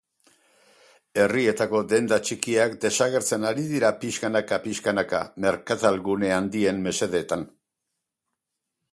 Herrietako denda txikiak desagertzen ari dira pixkanaka pixkanaka merkatal gune handien mesedetan.